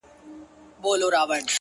هغه په ژړا ستغ دی چي يې هيڅ نه ژړل؛